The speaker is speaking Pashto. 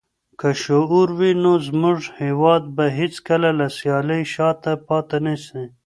که شعور وي، نو زموږ هېواد به هيڅکله له سيالۍ شاته پاته نسي.